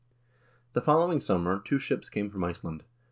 The following summer two ships came from Iceland.